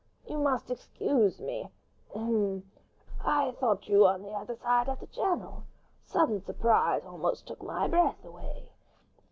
You must excuse me—h'm—I thought you the other side of the Channel. Sudden surprise almost took my breath away."